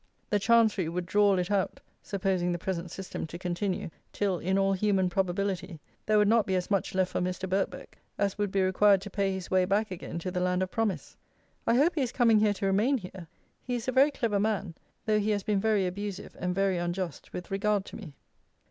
The Chancery would drawl it out (supposing the present system to continue) till, in all human probability, there would not be as much left for Mr. Birkbeck as would be required to pay his way back again to the Land of Promise. I hope he is coming here to remain here. He is a very clever man, though he has been very abusive and very unjust with regard to me.